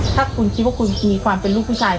ถ้าคุณคิดว่าคุณมีความเป็นลูกผู้ชาย